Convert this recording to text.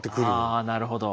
ああなるほど。